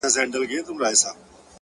صبر د بریالیتوب د پخېدو موسم دی!